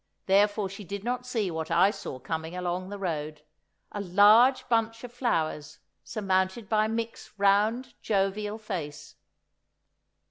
Therefore she did not see what I saw coming along the road—a large bunch of flowers, surmounted by Mick's round, jovial face.